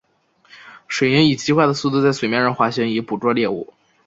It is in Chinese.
水黾以极快的速度在水面上滑行以捕捉猎物。